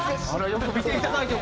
よく見ていただいて。